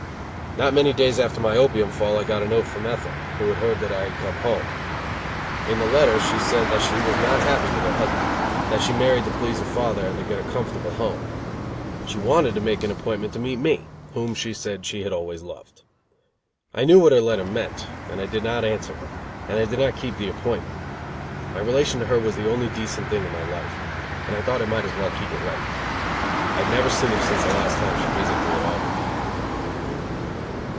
Not many days after my opium fall I got a note from Ethel, who had heard that I had come home. In the letter she said that she was not happy with her husband, that she had married to please her father and to get a comfortable home. She wanted to make an appointment to meet me, whom, she said, she had always loved. I knew what her letter meant, and I did not answer it, and did not keep the appointment. My relation to her was the only decent thing in my life, and I thought I might as well keep it right. I have never seen her since the last time she visited me at Auburn.